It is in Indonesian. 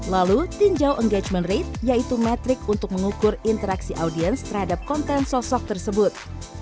lalu pilih metode endorsement yang metrik untuk mengukur interaksi audiens terhadap konten sosok tersebut